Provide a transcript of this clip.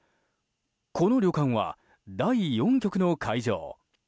この宿は第４局の会場。